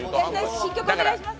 新曲お願いします。